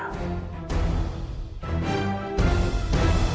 kau sudah mencari penawarannya